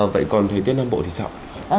vậy còn thời tiết nam bộ thì sao